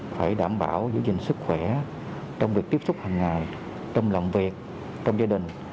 phải đảm bảo giữ gìn sức khỏe trong việc tiếp xúc hằng ngày trong lòng việc trong gia đình